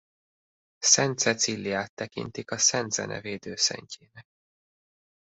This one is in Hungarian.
Szent Cecíliát tekintik a szent zene védőszentjének.